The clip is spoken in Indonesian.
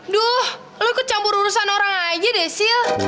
duh lo kecampur urusan orang aja deh sil